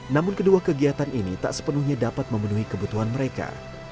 namun kedua kegiatan ini tak sepenuhnya dapat memenuhi kebutuhan mereka